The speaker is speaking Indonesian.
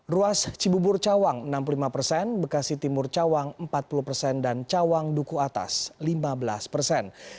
ruas cibubur cawang enam puluh lima persen bekasi timur cawang empat puluh persen dan cawang duku atas lima belas persen